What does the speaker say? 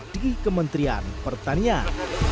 di kementerian pertanian